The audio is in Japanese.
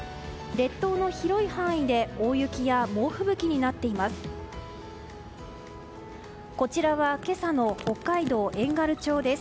列島の広い範囲で大雪や猛吹雪になっています。